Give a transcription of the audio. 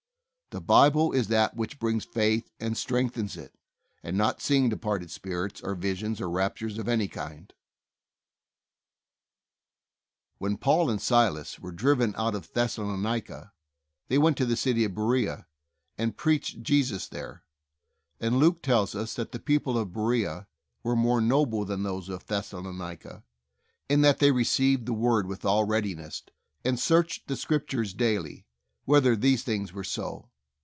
The Bible is that which brings faith and strength ens it, and not seeing departed spirits, or visions, or raptures of any kind. When Paul and Silas were driven out of Thessalonica they went to the city of Berea and preached Jesus there, and Luke tells us that the people of Berea "were more noble than those of Thessalonica, in that they received the Word with all readiness, and searched the Scriptures daily, whether these things were so."